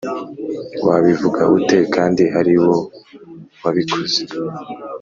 wabivuga ute kandi ariwo wabikoze?